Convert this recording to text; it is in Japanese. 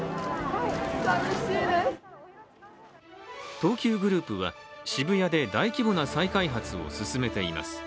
東急グループは渋谷で大規模な再開発を進めています。